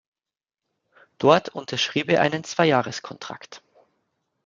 Dort unterschrieb er einen Zwei-Jahres-Kontrakt.